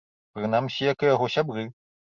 Прынамсі, як і яго сябры.